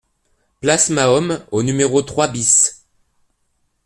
Place Mahomme au numéro trois BIS